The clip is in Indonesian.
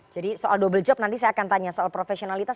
jadi soal double job nanti saya akan tanya soal profesionalitas